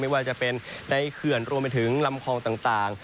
ว่าจะเป็นในเขื่อนรวมไปถึงลำคลองต่าง